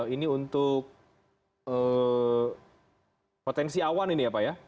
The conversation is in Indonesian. ini untuk potensi awan ini ya pak ya